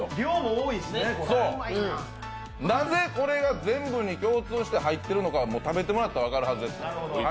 なぜ、これが全部に共通して入ってるのかは食べてもらったら分かるはずです。